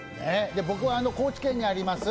僕は高知県にあります